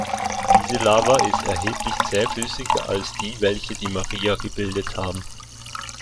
Diese Lava ist erheblich zähflüssiger als die, welche die Maria gebildet haben.